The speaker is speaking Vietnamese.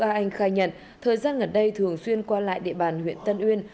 a anh khai nhận thời gian ngần đây thường xuyên qua lại địa bàn huyện tân nguyên